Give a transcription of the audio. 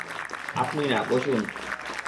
আপনি না, বসুন।